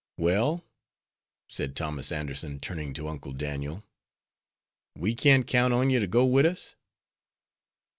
"Well," said Thomas Anderson, turning to Uncle Daniel, "we can't count on yer to go wid us?"